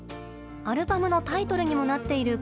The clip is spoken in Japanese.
アルバムのタイトルにもなっているえ